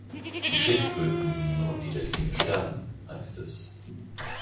Die Schildkröten und die Delphine sterben, heißt es!